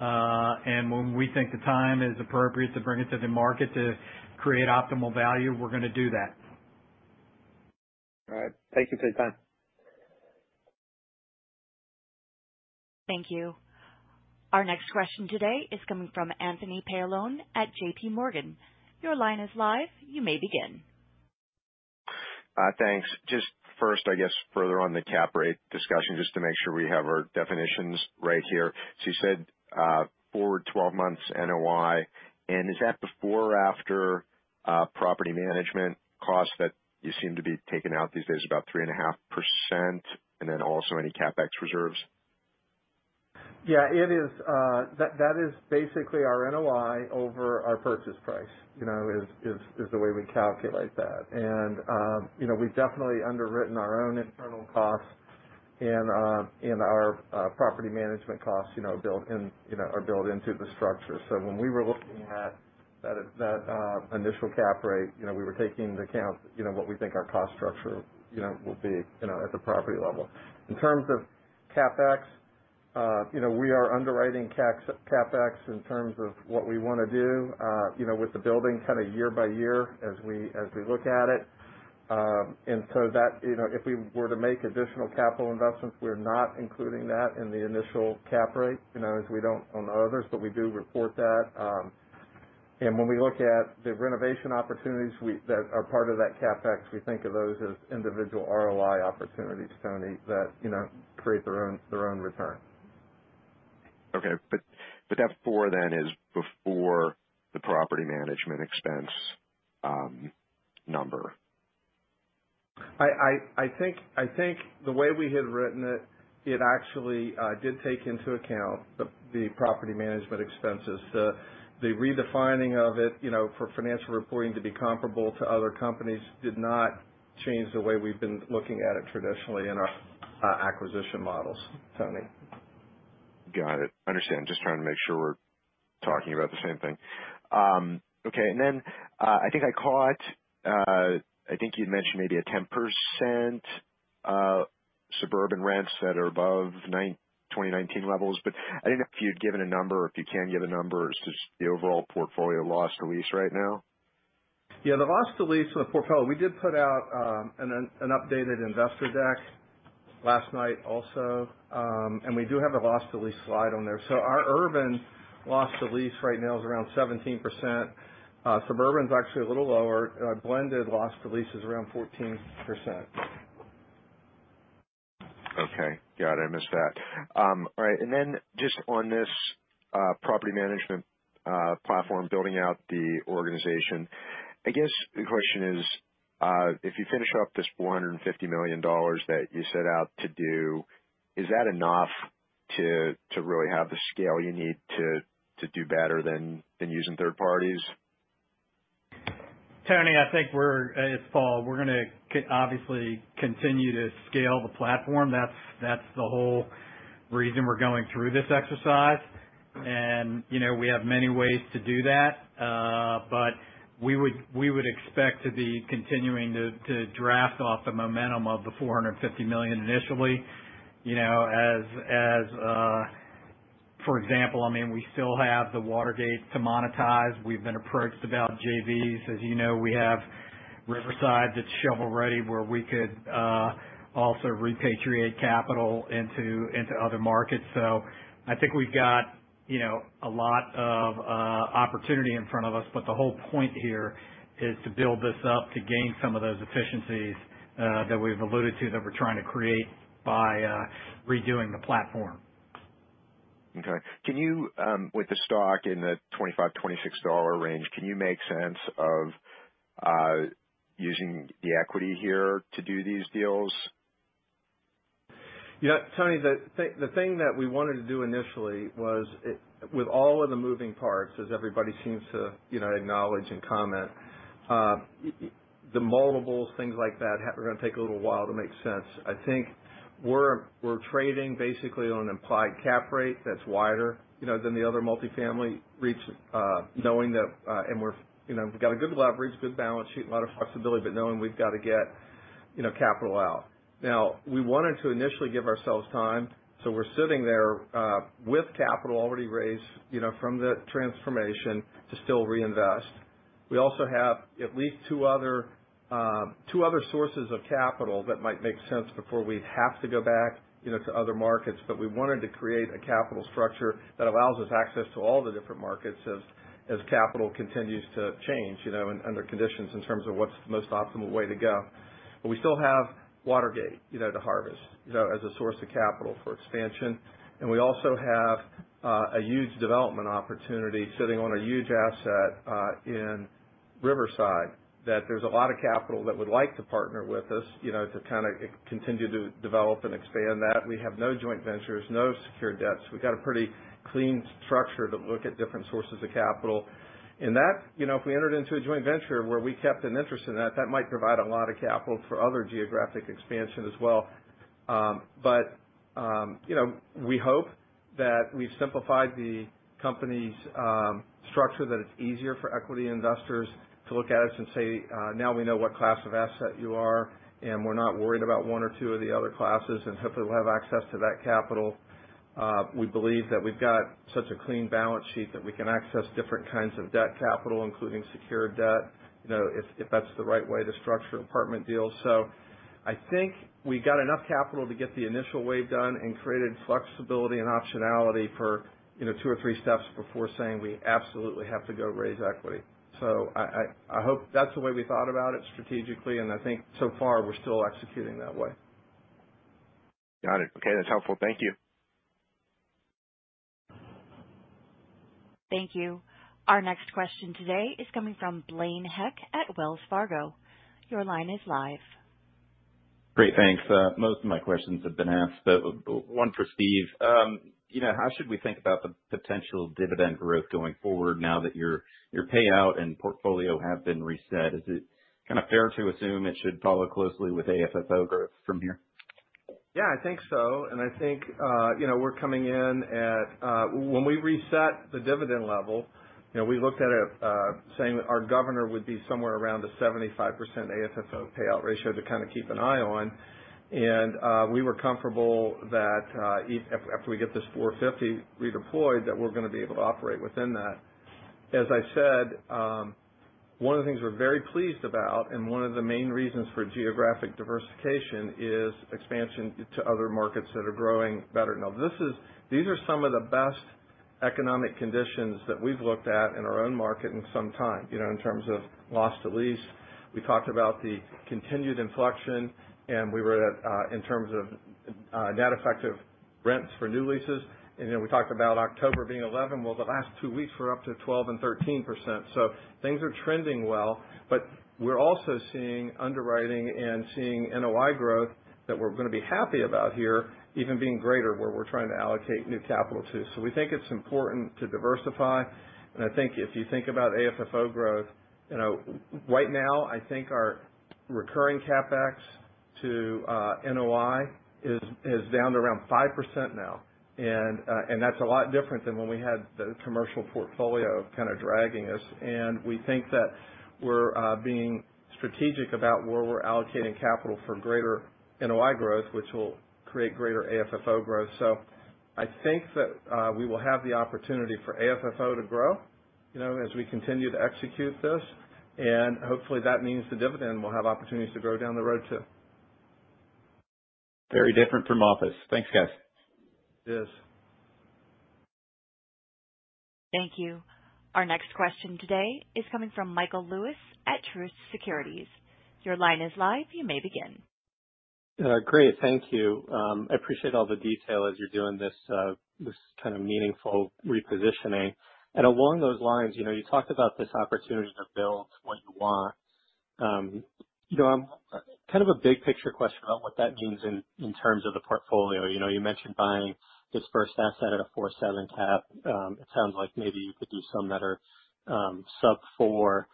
When we think the time is appropriate to bring it to the market to create optimal value, we're gonna do that. All right. Thank you for your time. Thank you. Our next question today is coming from Anthony Paolone at J.P. Morgan. Your line is live. You may begin. Thanks. Just first, I guess, further on the cap rate discussion, just to make sure we have our definitions right here. You said, forward 12 months NOI, and is that before or after, property management costs that you seem to be taking out these days about 3.5%, and then also any CapEx reserves? Yeah, it is that is basically our NOI over our purchase price, you know, is the way we calculate that. You know, we've definitely underwritten our own internal costs and our property management costs, you know, built in, you know, are built into the structure. When we were looking at that initial cap rate, you know, we were taking into account, you know, what we think our cost structure, you know, will be, you know, at the property level. In terms of CapEx, you know, we are underwriting CapEx in terms of what we wanna do, you know, with the building kind of year by year as we look at it. That, you know, if we were to make additional capital investments, we're not including that in the initial cap rate, you know, as we don't own the others, but we do report that. When we look at the renovation opportunities that are part of that CapEx, we think of those as individual ROI opportunities, Tony, that you know create their own return. Okay. But that 4% then is before the property management expense number. I think the way we had written it actually did take into account the property management expenses. The redefining of it, you know, for financial reporting to be comparable to other companies did not change the way we've been looking at it traditionally in our acquisition models, Tony. Got it. Understand. Just trying to make sure we're talking about the same thing. Okay. Then, I think you'd mentioned maybe a 10% suburban rents that are above 2019 levels, but I didn't know if you'd given a number or if you can give a number. It's just the overall portfolio loss to lease right now. Yeah, the loss to lease in the portfolio. We did put out an updated investor deck last night also, and we do have a loss to lease slide on there. Our urban loss to lease right now is around 17%. Suburban is actually a little lower. Blended loss to lease is around 14%. Okay, got it. I missed that. All right, just on this property management platform, building out the organization, I guess the question is, if you finish up this $450 million that you set out to do, is that enough to really have the scale you need to do better than using third parties? Tony, I think we're, it's Paul. We're gonna obviously continue to scale the platform. That's the whole reason we're going through this exercise. You know, we have many ways to do that. We would expect to be continuing to draft off the momentum of the $450 million initially. You know, as for example, I mean, we still have the Watergate to monetize. We've been approached about JVs. As you know, we have Riverside that's shovel-ready, where we could also repatriate capital into other markets. I think we've got, you know, a lot of opportunity in front of us. The whole point here is to build this up to gain some of those efficiencies that we've alluded to that we're trying to create by redoing the platform. Okay. Can you, with the stock in the $25-$26 range, can you make sense of using the equity here to do these deals? You know, Tony, the thing that we wanted to do initially was with all of the moving parts, as everybody seems to, you know, acknowledge and comment, the multiples, things like that are gonna take a little while to make sense. I think we're trading basically on an implied cap rate that's wider, you know, than the other multifamily REITs, knowing that, and we're, you know, we've got a good leverage, good balance sheet, a lot of flexibility, but knowing we've gotta get, you know, capital out. Now, we wanted to initially give ourselves time, so we're sitting there with capital already raised, you know, from the transformation to still reinvest. We also have at least two other sources of capital that might make sense before we have to go back, you know, to other markets. We wanted to create a capital structure that allows us access to all the different markets as capital continues to change, you know, under conditions in terms of what's the most optimal way to go. We still have Watergate, you know, to harvest, you know, as a source of capital for expansion. We also have a huge development opportunity sitting on a huge asset in Riverside, that there's a lot of capital that would like to partner with us, you know, to kind of continue to develop and expand that. We have no joint ventures, no secured debts. We've got a pretty clean structure to look at different sources of capital. That, you know, if we entered into a joint venture where we kept an interest in that might provide a lot of capital for other geographic expansion as well. You know, we hope that we've simplified the company's structure, that it's easier for equity investors to look at us and say, "Now we know what class of asset you are, and we're not worried about one or two of the other classes," and hopefully we'll have access to that capital. We believe that we've got such a clean balance sheet that we can access different kinds of debt capital, including secured debt, you know, if that's the right way to structure apartment deals. I think we got enough capital to get the initial wave done and created flexibility and optionality for, you know, two or three steps before saying we absolutely have to go raise equity. I hope that's the way we thought about it strategically, and I think so far we're still executing that way. Got it. Okay, that's helpful. Thank you. Thank you. Our next question today is coming from Blaine Heck at Wells Fargo. Your line is live. Great, thanks. Most of my questions have been asked, but one for Steve. You know, how should we think about the potential dividend growth going forward now that your payout and portfolio have been reset? Is it kind of fair to assume it should follow closely with AFFO growth from here? Yeah, I think so. I think, you know, we're coming in at when we reset the dividend level, you know, we looked at it saying our governor would be somewhere around the 75% AFFO payout ratio to kind of keep an eye on. We were comfortable that after we get this $450 redeployed, that we're gonna be able to operate within that. As I said, one of the things we're very pleased about, and one of the main reasons for geographic diversification, is expansion to other markets that are growing better. Now, these are some of the best economic conditions that we've looked at in our own market in some time, you know, in terms of loss to lease. We talked about the continued inflection, and we were at in terms of net effective rents for new leases. You know, we talked about October being 11%. The last two weeks were up to 12% and 13%. Things are trending well, but we're also seeing underwriting and seeing NOI growth that we're gonna be happy about here, even being greater where we're trying to allocate new capital to. We think it's important to diversify. I think if you think about AFFO growth, you know, right now, I think our recurring CapEx to NOI is down to around 5% now. That's a lot different than when we had the commercial portfolio kind of dragging us. We think that we're being strategic about where we're allocating capital for greater NOI growth, which will create greater AFFO growth. I think that we will have the opportunity for AFFO to grow, you know, as we continue to execute this, and hopefully that means the dividend will have opportunities to grow down the road, too. Very different from office. Thanks, guys. It is. Thank you. Our next question today is coming from Michael Lewis at Truist Securities. Your line is live, you may begin. Great, thank you. I appreciate all the detail as you're doing this kind of meaningful repositioning. Along those lines, you know, you talked about this opportunity to build what you want. You know, kind of a big picture question about what that means in terms of the portfolio. You know, you mentioned buying this first asset at a 4.7% cap. It sounds like maybe you could do some better, sub-4%.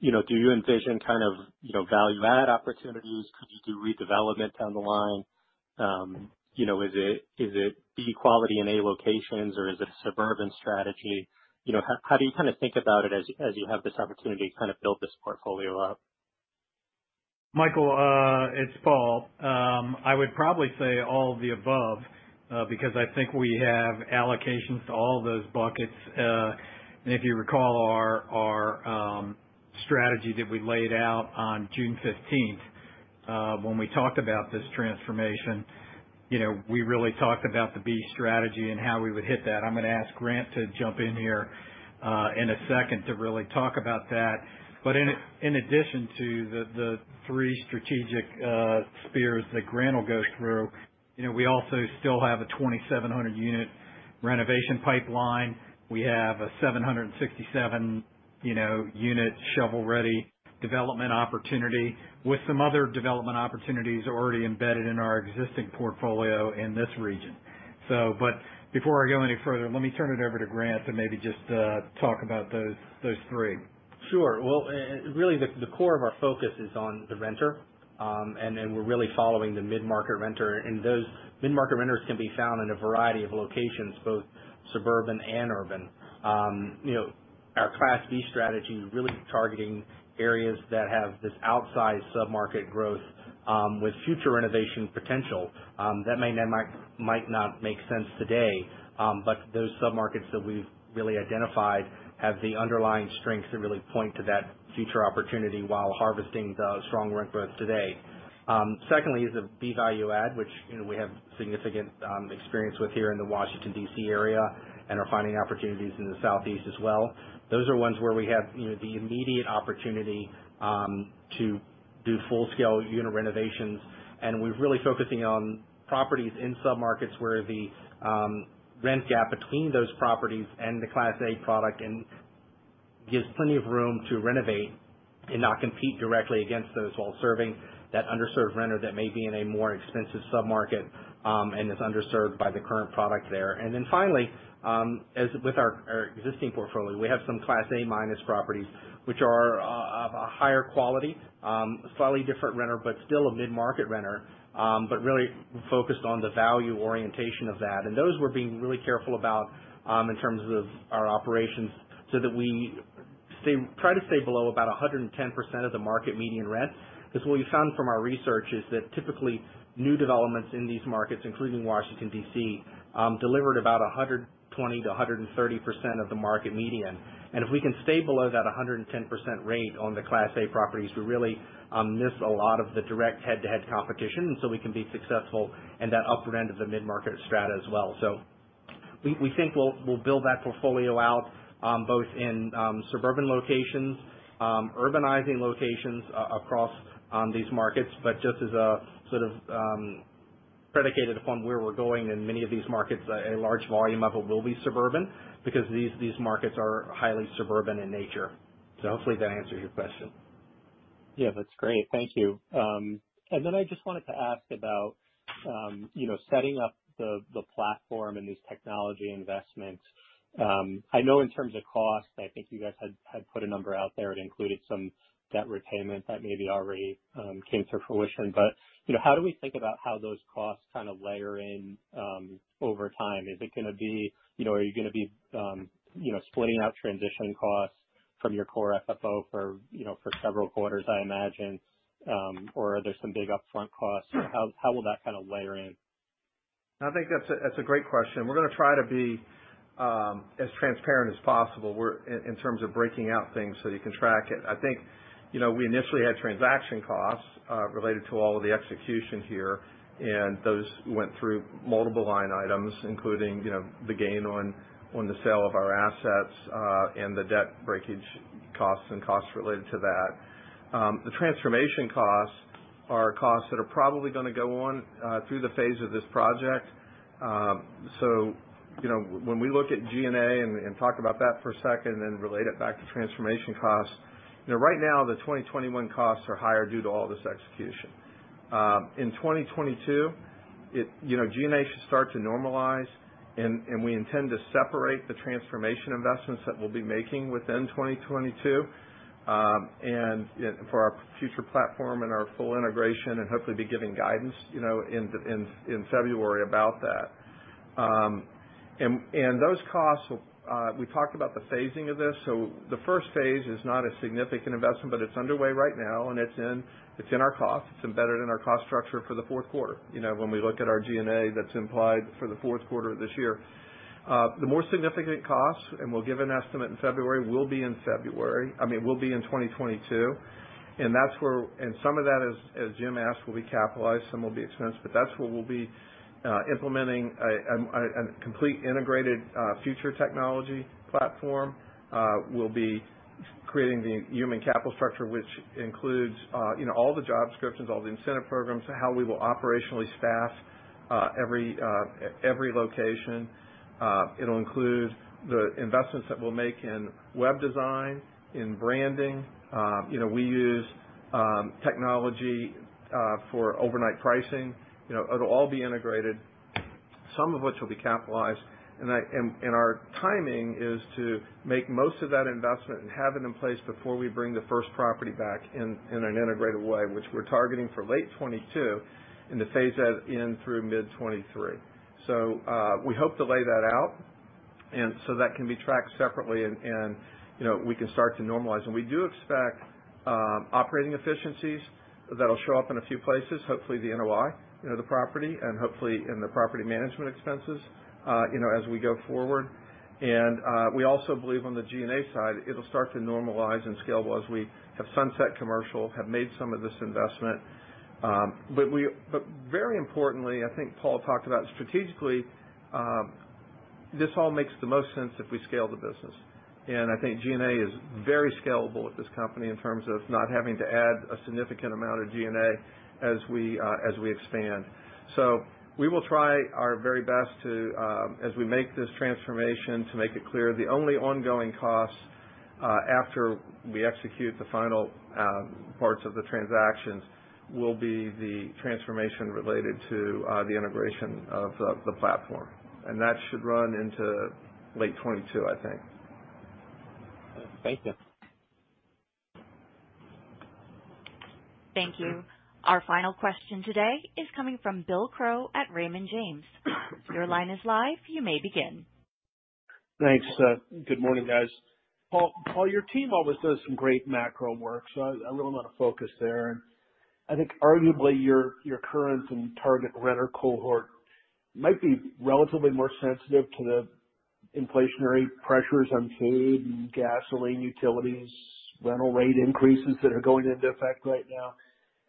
You know, do you envision kind of, you know, value-add opportunities? Could you do redevelopment down the line? You know, is it B quality in A locations, or is it a suburban strategy? You know, how do you kind of think about it as you have this opportunity to kind of build this portfolio up? Michael, it's Paul. I would probably say all of the above, because I think we have allocations to all of those buckets. If you recall, our strategy that we laid out on June 15th, when we talked about this transformation, you know, we really talked about the B strategy and how we would hit that. I'm gonna ask Grant to jump in here, in a second to really talk about that. But in addition to the three strategic spears that Grant will go through, you know, we also still have a 2,700 unit renovation pipeline. We have a 767 unit shovel-ready development opportunity with some other development opportunities already embedded in our existing portfolio in this region. Before I go any further, let me turn it over to Grant to maybe just talk about those three. Sure. Well, really, the core of our focus is on the renter, and then we're really following the mid-market renter, and those mid-market renters can be found in a variety of locations, both suburban and urban. You know, our Class B strategy really targeting areas that have this outsized sub-market growth, with future renovation potential, that might not make sense today, but those sub-markets that we've really identified have the underlying strength to really point to that future opportunity while harvesting the strong rent growth today. Secondly is the B value add, which, you know, we have significant experience with here in the Washington, D.C. area and are finding opportunities in the southeast as well. Those are ones where we have, you know, the immediate opportunity to do full-scale unit renovations, and we're really focusing on properties in submarkets where the rent gap between those properties and the Class A product and gives plenty of room to renovate and not compete directly against those while serving that underserved renter that may be in a more expensive sub-market and is underserved by the current product there. Then finally, as with our existing portfolio, we have some Class A-minus properties, which are of a higher quality, slightly different renter, but still a mid-market renter, but really focused on the value orientation of that. Those we're being really careful about in terms of our operations, so that we try to stay below about 110% of the market median rent. 'Cause what we found from our research is that typically, new developments in these markets, including Washington, D.C., delivered about 120%-130% of the market median. If we can stay below that 110% rate on the Class A properties, we really miss a lot of the direct head-to-head competition, so we can be successful in that upper end of the mid-market strata as well. We think we'll build that portfolio out both in suburban locations, urbanizing locations across these markets. Just as a sort of predicated upon where we're going in many of these markets, a large volume of it will be suburban because these markets are highly suburban in nature. Hopefully that answers your question. Yeah, that's great. Thank you. I just wanted to ask about, you know, setting up the platform and these technology investments. I know in terms of cost, I think you guys had put a number out there. It included some debt repayment that maybe already came to fruition. You know, how do we think about how those costs kind of layer in over time? Is it gonna be, you know, are you gonna be, you know, splitting out transitioning costs from your core FFO for several quarters, I imagine? Or are there some big upfront costs? How will that kind of layer in? I think that's a great question. We're gonna try to be as transparent as possible. We're in terms of breaking out things so you can track it. I think, you know, we initially had transaction costs related to all of the execution here, and those went through multiple line items, including, you know, the gain on the sale of our assets, and the debt breakage costs and costs related to that. The transformation costs are costs that are probably gonna go on through the phase of this project. You know, when we look at G&A and talk about that for a second and then relate it back to transformation costs, you know, right now the 2021 costs are higher due to all this execution. In 2022, you know, G&A should start to normalize and we intend to separate the transformation investments that we'll be making within 2022, and for our future platform and our full integration and hopefully be giving guidance, you know, in February about that. Those costs, we talked about the phasing of this. The first phase is not a significant investment, but it's underway right now and it's in our costs. It's embedded in our cost structure for the fourth quarter. You know, when we look at our G&A that's implied for the fourth quarter of this year. The more significant costs, and we'll give an estimate in February, will be in February. I mean, will be in 2022. That's where some of that, as Jim asked, will be capitalized, some will be expensed. But that's where we'll be implementing a complete integrated future technology platform. We'll be creating the human capital structure, which includes, you know, all the job descriptions, all the incentive programs, how we will operationally staff every location. It'll include the investments that we'll make in web design, in branding. You know, we use technology for overnight pricing. It'll all be integrated, some of which will be capitalized. Our timing is to make most of that investment and have it in place before we bring the first property back in an integrated way, which we're targeting for late 2022 into phase out in through mid-2023. We hope to lay that out and so that can be tracked separately and, you know, we can start to normalize. We do expect operating efficiencies that'll show up in a few places, hopefully the NOI, you know, the property and hopefully in the property management expenses, you know, as we go forward. We also believe on the G&A side, it'll start to normalize and scale as we have sunset commercial, have made some of this investment. But very importantly, I think Paul talked about strategically, this all makes the most sense if we scale the business. I think G&A is very scalable at this company in terms of not having to add a significant amount of G&A as we expand. We will try our very best, as we make this transformation, to make it clear the only ongoing costs after we execute the final parts of the transactions will be the transformation related to the integration of the platform. That should run into late 2022, I think. Thank you. Thank you. Our final question today is coming from Bill Crow at Raymond James. Your line is live, you may begin. Thanks. Good morning, guys. Paul, your team always does some great macro work, so a little amount of focus there. I think arguably your current and target renter cohort might be relatively more sensitive to the inflationary pressures on food and gasoline, utilities, rental rate increases that are going into effect right now.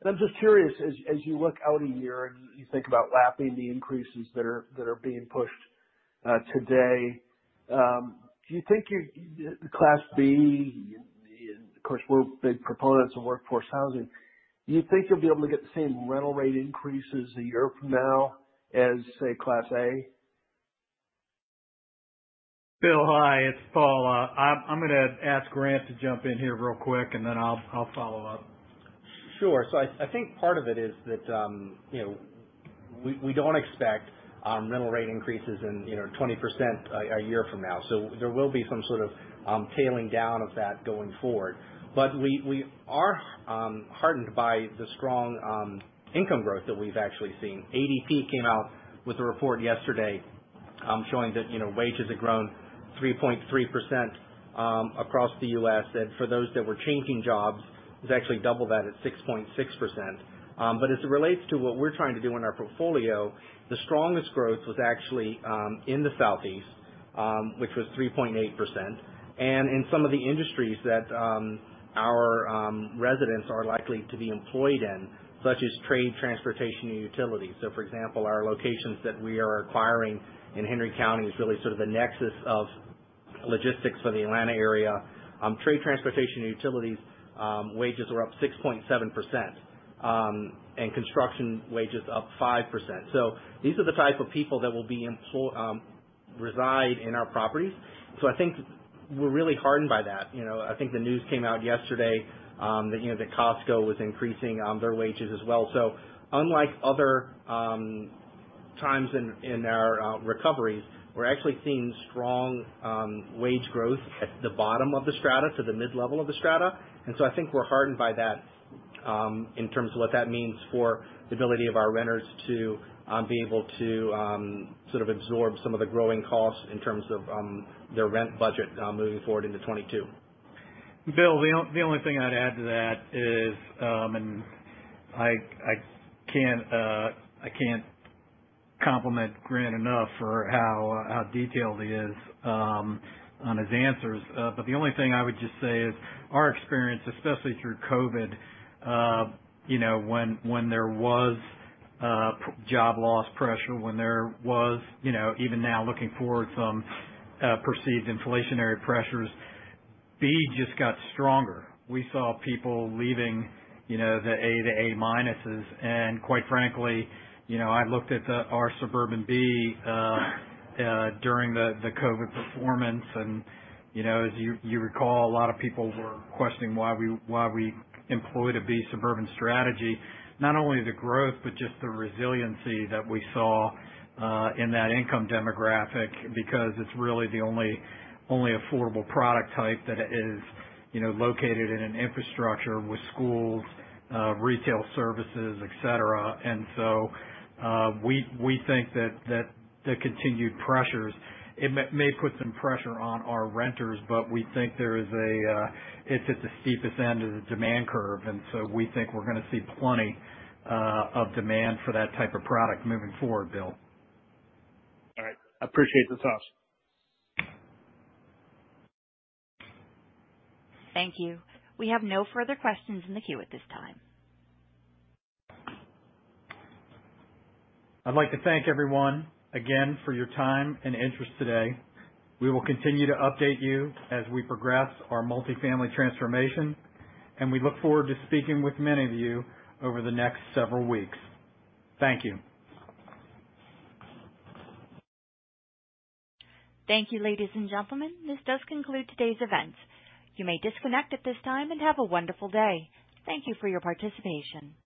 I'm just curious, as you look out a year and you think about lapping the increases that are being pushed today, do you think your Class B, of course, we're big proponents of workforce housing, do you think you'll be able to get the same rental rate increases a year from now as, say, Class A? Bill, hi, it's Paul. I'm gonna ask Grant to jump in here real quick, and then I'll follow up. Sure. I think part of it is that, you know, we don't expect rental rate increases in 20% a year from now. There will be some sort of tapering down of that going forward. We are heartened by the strong income growth that we've actually seen. ADP came out with a report yesterday showing that, you know, wages have grown 3.3% across the U.S., and for those that were changing jobs, it was actually double that at 6.6%. As it relates to what we're trying to do in our portfolio, the strongest growth was actually in the Southeast, which was 3.8%. In some of the industries that our residents are likely to be employed in, such as trade, transportation, and utilities. For example, our locations that we are acquiring in Henry County is really sort of the nexus of logistics for the Atlanta area. Trade, transportation, and utilities wages are up 6.7%, and construction wages up 5%. These are the type of people that will be reside in our properties. I think we're really heartened by that. You know, I think the news came out yesterday, that, you know, that Costco was increasing their wages as well. Unlike other times in our recoveries, we're actually seeing strong wage growth at the bottom of the strata to the mid-level of the strata. I think we're heartened by that, in terms of what that means for the ability of our renters to be able to sort of absorb some of the growing costs in terms of their rent budget, moving forward into 2022. Bill, the only thing I'd add to that is I can't compliment Grant enough for how detailed he is on his answers. The only thing I would just say is our experience, especially through COVID, you know, when there was job loss pressure, when there was, you know, even now looking forward, some perceived inflationary pressures, B just got stronger. We saw people leaving, you know, the A, the A-minuses. Quite frankly, you know, I looked at our suburban B during the COVID performance. You know, as you recall, a lot of people were questioning why we employ the B suburban strategy. Not only the growth, but just the resiliency that we saw in that income demographic, because it's really the only affordable product type that is, you know, located in an infrastructure with schools, retail services, et cetera. We think that the continued pressures, it may put some pressure on our renters, but we think there is, it's at the steepest end of the demand curve, and so we think we're gonna see plenty of demand for that type of product moving forward, Bill. All right. Appreciate the thoughts. Thank you. We have no further questions in the queue at this time. I'd like to thank everyone again for your time and interest today. We will continue to update you as we progress our multifamily transformation, and we look forward to speaking with many of you over the next several weeks. Thank you. Thank you, ladies and gentlemen. This does conclude today's event. You may disconnect at this time and have a wonderful day. Thank you for your participation.